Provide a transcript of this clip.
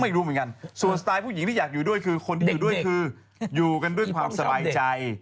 ไม่รู้เหมือนกันส่วนสไตล์ผู้หญิงที่อยากอยู่ด้วยคือคนที่อยู่ด้วยคืออยู่กันด้วยความสบายใจ